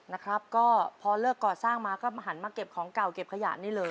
นะครับก็พอเลิกก่อสร้างมาก็หันมาเก็บของเก่าเก็บขยะนี่เลย